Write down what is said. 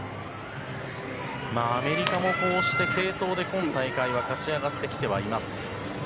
アメリカも継投で今大会は勝ち上がってきています。